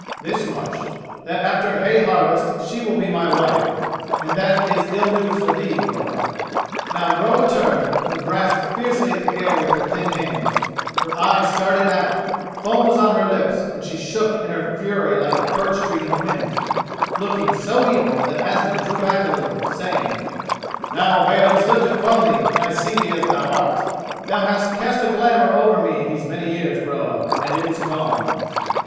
"This much, that after hay harvest she will be my wife, and that is ill news for thee, Groa." Now Groa turned and grasped fiercely at the air with her thin hands. Her eyes started out, foam was on her lips, and she shook in her fury like a birch tree in the wind, looking so evil that Asmund drew back a little way, saying: "Now a veil is lifted from thee and I see thee as thou art. Thou hast cast a glamour over me these many years, Groa, and it is gone."